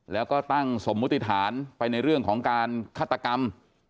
แล้วก็ตั้งสมมุติฐานไปในเรื่องของการฆาตกรรม